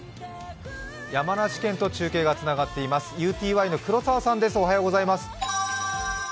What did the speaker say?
山梨県と中継がつながっています、ＵＴＹの黒澤さんです。